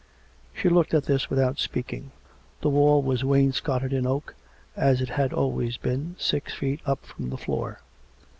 She looked at this without speaking: the wall was wains coted in oak, as it had always been, six feet up from the floor.